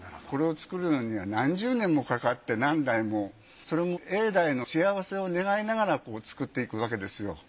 これを作るのには何十年もかかって何代もそれも永代の幸せを願いながら作っていくわけですよ。